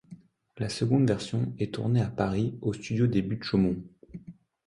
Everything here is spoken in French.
La seconde version est tournée à Paris aux studios des Buttes-Chaumont.